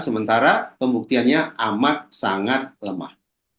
sementara pembuktiannya amat sangat lemah